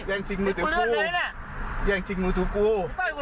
แย่งชิงมือถือกูแย่งชิงมือถือกู